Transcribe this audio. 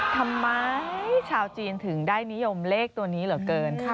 ทำไมชาวจีนถึงได้นิยมเลขตัวนี้เหลือเกิน